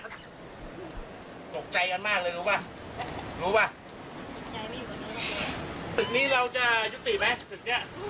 ตกใจกันมากเลยรู้ป่ะรู้ป่ะใจไม่อยู่กันเลยศึกนี้เราจะยุติไหมศึกนี้